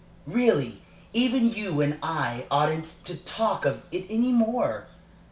"Really, even you and I oughtn't to talk of it any more.